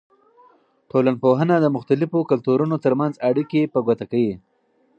ټولنپوهنه د مختلفو کلتورونو ترمنځ اړیکې په ګوته کوي.